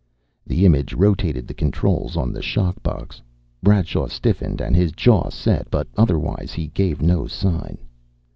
The image rotated the controls on the shock box. Bradshaw stiffened, and his jaw set, but otherwise he gave no sign.